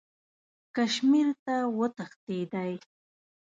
کشمیر ته وتښتېدی.